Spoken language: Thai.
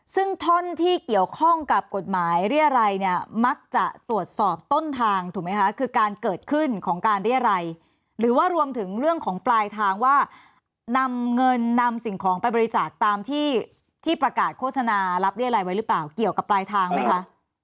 ซึ่งท่อนที่เกี่ยวข้องกับกฎหมายเรียรัยเนี่ยมักจะตรวจสอบต้นทางถูกไหมคะคือการเกิดขึ้นของการเรียรัยหรือว่ารวมถึงเรื่องของปลายทางว่านำเงินนำสิ่งของไปบริจาคตามที่ที่ประกาศโฆษณารับเรียรัยไว้หรือเปล่าเกี่ยวกับปลายทางไหมคะ